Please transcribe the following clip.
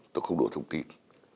tôi không đổ thông tin